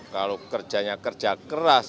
kalau kerjanya kerja keras